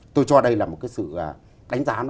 tôi cho đây là một cái sự đánh giá